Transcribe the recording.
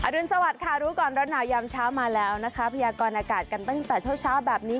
รุนสวัสดิค่ะรู้ก่อนร้อนหนาวยามเช้ามาแล้วนะคะพยากรอากาศกันตั้งแต่เช้าแบบนี้